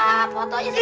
nah fotonya sih